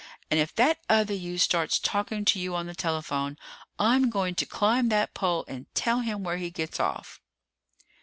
And if that other you starts talking to you on the telephone, I'm going to climb that pole and tell him where he gets off!"